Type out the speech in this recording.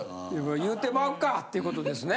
「言うてまうか」っていうことですね。